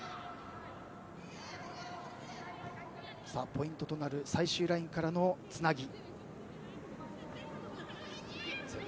ポイントとなる最終ラインからのつなぎ。